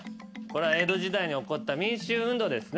これは江戸時代に起こった民衆運動。